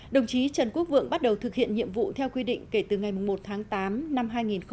đồng chí trần quốc vượng bắt đầu thực hiện nhiệm vụ theo quy định kể từ ngày một tháng tám năm hai nghìn một mươi chín